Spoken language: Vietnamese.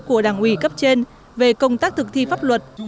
của đảng ủy cấp trên về công tác thực thi pháp luật